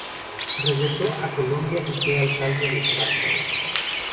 Regresó a Colombia y fue alcalde de Cartago.